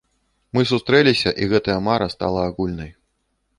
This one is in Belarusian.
Мы сустрэліся, і гэтая мара стала агульнай.